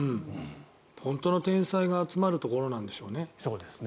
本当の天才が集まるところなんでしょうね。